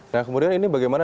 nah kemudian ini bagaimana